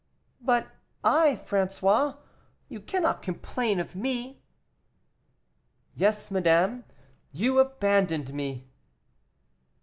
"But I, François you cannot complain of me?" "Yes, madame, you abandoned me."